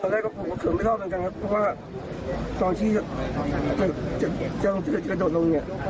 แต่ผมสัมพันธ์ว่าพอลุงกับพวกชุดชีวิตปลูกออกกันเลย